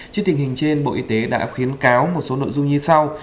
trước tình hình trên bộ y tế đã khuyến cáo một số nội dung như sau